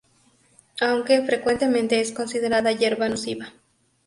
Aunque frecuentemente es considerada hierba nociva.